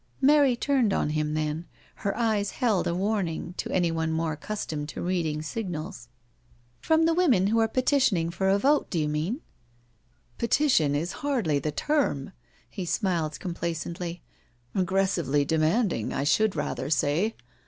Mary turned on him then, and her eyes held a warning to anyone more accustomed to reading signals. 50 NO SURRENDER " From the women who are petitioning for a vote, do you mean?" " Petition is hardly the term." He smiled compla cently. " Aggressively demanding, I should rather say.